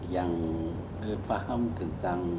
yang paham tentang